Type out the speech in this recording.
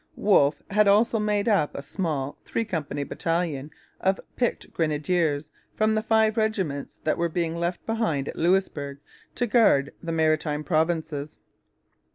Wolfe had also made up a small three company battalion of picked grenadiers from the five regiments that were being left behind at Louisbourg to guard the Maritime Provinces.